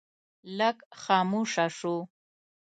لږ خاموشه شو.